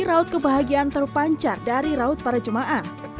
raut kebahagiaan terpancar dari raut para jemaah